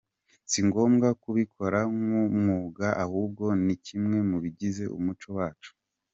Si ngombwa kubikora nk’umwuga ahubwo ni kimwe mu bigize umuco wacu.